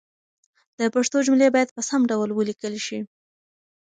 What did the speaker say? د پښتو جملې باید په سم ډول ولیکل شي.